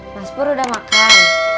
mas pur udah makan